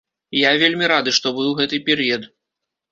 Я вельмі рады, што быў гэты перыяд.